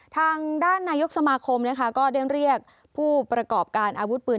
ทางด้านนายกสมาคมก็เรียกผู้ประกอบการธุรกิจอาวุธปืน